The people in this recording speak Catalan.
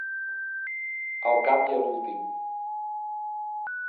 Al cap i a l'últim.